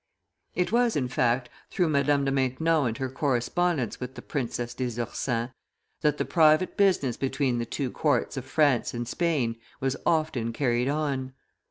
It was, in fact, through Madame de Maintenon and her correspondence with the Princess des Ursins, that the private business between the two courts of France and Spain was often carried on.